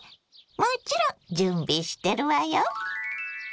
もちろん準備してるわよ。